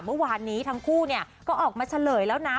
เมื่อวานนี้ทั้งคู่ก็ออกมาเฉลยแล้วนะ